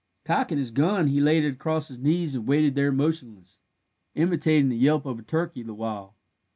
Cocking his gun, he laid it across his knees, and waited there motionless, imitating the yelp of a turkey the while.